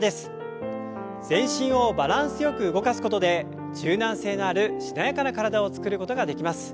全身をバランスよく動かすことで柔軟性があるしなやかな体を作ることができます。